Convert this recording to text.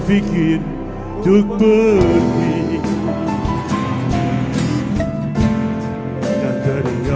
singgalkan kau sendiri